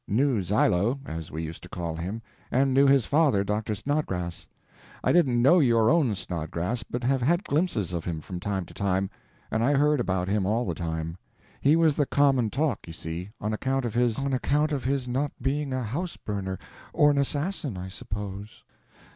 "Knew Zylo, as we used to call him, and knew his father, Dr. Snodgrass. I didn't know your own Snodgrass, but have had glimpses of him from time to time, and I heard about him all the time. He was the common talk, you see, on account of his—" "On account of his not being a house burner or an assassin, I suppose.